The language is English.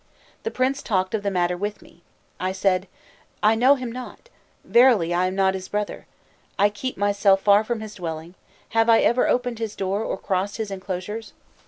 The prince talked of the matter with me. I said: 'I know him not. Verily, I am not his brother. I keep myself far from his dwelling; have I ever opened his door, or crossed his enclosures?